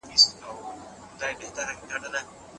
مادي پانګه ساتل سوې ده.